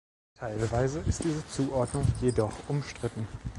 Teilweise ist die Zuordnung jedoch umstritten.